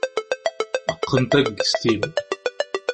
Qqen taggest-im.